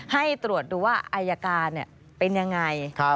ให้ตรวจดูว่าอายการเป็นยังไง